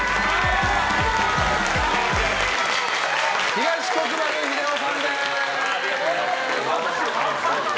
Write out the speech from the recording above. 東国原英夫さんです。